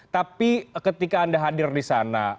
tapi ketika anda hadir disana